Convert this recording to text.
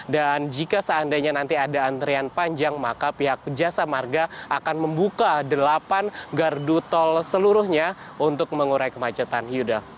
dan jika seandainya nanti ada antrian panjang maka pihak pejasa marga akan membuka delapan gardu tol seluruhnya untuk mengurai kemacetan yuda